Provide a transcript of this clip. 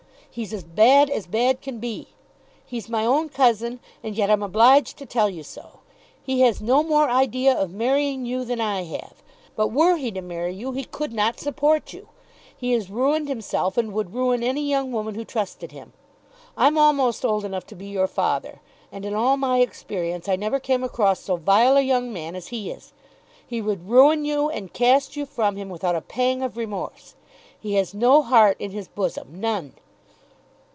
He's as bad as bad can be. He's my own cousin, and yet I'm obliged to tell you so. He has no more idea of marrying you than I have; but were he to marry you, he could not support you. He is ruined himself, and would ruin any young woman who trusted him. I'm almost old enough to be your father, and in all my experience I never came across so vile a young man as he is. He would ruin you and cast you from him without a pang of remorse. He has no heart in his bosom; none."